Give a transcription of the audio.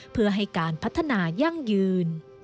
เพื่อให้การพัฒนายั่งยืน